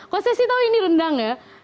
kau masih tau ini rendang nggak